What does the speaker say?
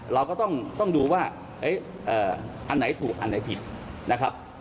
เราก็ต้องดูว่าอันไหนถูกอันไหนผิดนะครับ